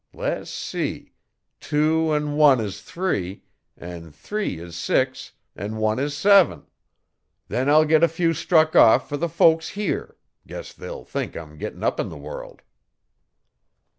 Le's see tew an' one is three an' three is six an' one is seven. Then I'll git a few struck off fer the folks here guess they'll thank I'm gittin' up 'n the world.'